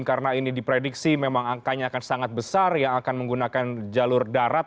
karena ini diprediksi memang angkanya akan sangat besar yang akan menggunakan jalur darat